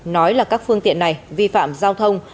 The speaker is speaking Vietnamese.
nói là các phương tiện này vi phạm giao thông